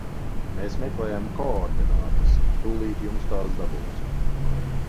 Mēs meklējam koordinātas, tūlīt jums tās dabūsim.